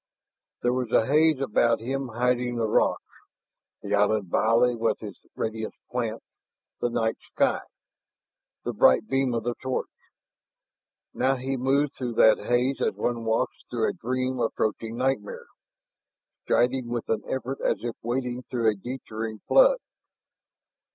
There was a haze about him hiding the rocks, the island valley with its radiant plants, the night sky, the bright beam of the torch. Now he moved through that haze as one walks through a dream approaching nightmare, striding with an effort as if wading through a deterring flood.